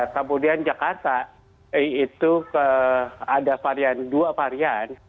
kemudian jakarta itu ada varian dua varian